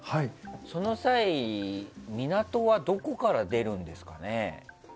その際、港はどこから出るんですかね？